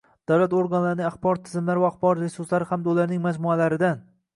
davlat organlarining axborot tizimlari va axborot resurslari hamda ularning majmualaridan;